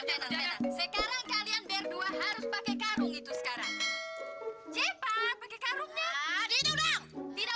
sampai jumpa di video selanjutnya